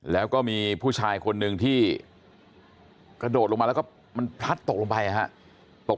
แล้วก็มีผู้ชายคนหนึ่งที่กระโดดลงมาแล้วก็มันพลัดตกลงไปฮะ